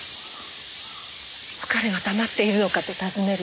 疲れがたまっているのかと尋ねるわ。